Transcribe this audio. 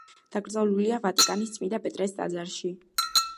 დაკრძალულია ვატიკანის წმინდა პეტრეს ტაძარში.